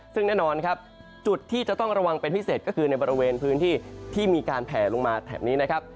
ซึ่งแน่นอนครับจุดที่จะต้องระวังเป็นพิเศษก็คือในบริเวณพื้นที่ที่มีการแผลลงมาแถบนี้นะครับ